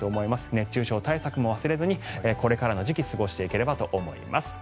熱中症対策も忘れずにこれからの時期過ごしていければと思います。